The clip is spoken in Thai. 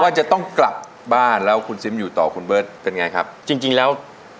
จะต้องกลับบ้านแล้วคุณซิมอยู่ต่อคุณเบิร์ตเป็นไงครับจริงจริงแล้ว